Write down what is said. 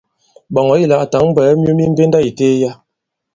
Ɓɔ̀ŋ ɔ̌ yī lā à tǎŋ bwɛ̀ɛ myu mi mbenda ì teliya.